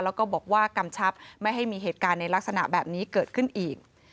แล้วก็บอกว่ากำชับไม่ให้มีเหตุการณ์ในลักษณะแบบนี้เกิดขึ้นอีก